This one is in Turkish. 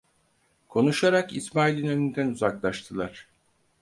Konuşarak İsmail'in önünden uzaklaştılar.